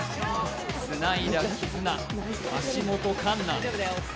つないだ絆、橋本環奈。